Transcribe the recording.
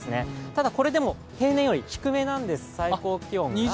ただこれでも平年より低めなんです。